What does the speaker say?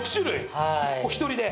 お一人で？